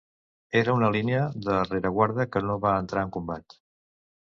Era una línia de rereguarda que no va entrar en combat.